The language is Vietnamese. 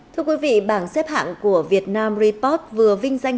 thưa quý vị bảng xếp hạng của vietnam report vừa vinh danh